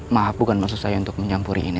maaf bukan maksud saya untuk mencampuri ini